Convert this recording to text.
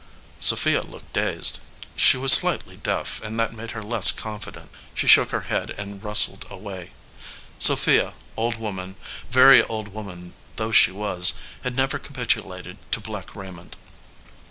Sophia looked dazed. She was slightly deaf, and that made her less confident. She shook her head and rustled away. Sophia, old woman, very old woman though she was, had never capitulated to black raiment.